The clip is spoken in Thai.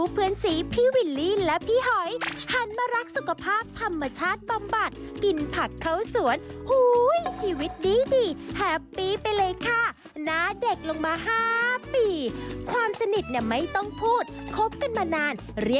โปรดติดตามตอนต่อไป